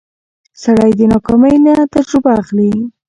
سړی د ناکامۍ نه تجربه اخلي